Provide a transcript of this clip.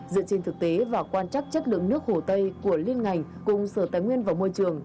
dựa trên thực tế và quan trắc chất lượng nước hồ tây của liên ngành cùng sở tài nguyên và môi trường